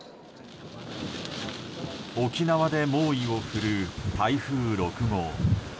沖縄で猛威を振るう台風６号。